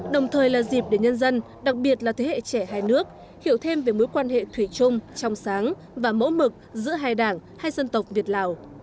đồng thời là dịp để nhân dân đặc biệt là thế hệ trẻ hai nước hiểu thêm về mối quan hệ thủy chung trong sáng và mẫu mực giữa hai đảng hai dân tộc việt lào